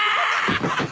ハハハハ！